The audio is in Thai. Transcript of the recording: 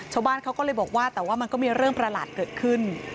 ชาวบ้านเขาก็เลยบอกว่าแต่ว่ามันก็มีเรื่องประหลาดเกิดขึ้น